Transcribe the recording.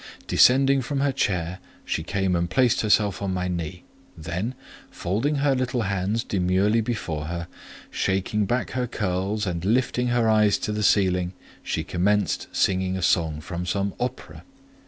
Descending from her chair, she came and placed herself on my knee; then, folding her little hands demurely before her, shaking back her curls and lifting her eyes to the ceiling, she commenced singing a song from some opera.